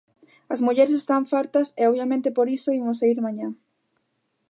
As mulleres están fartas e, obviamente, por iso imos saír mañá.